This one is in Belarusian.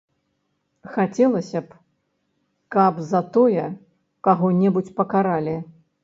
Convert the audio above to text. Хацелася б, каб за такое каго-небудзь пакаралі.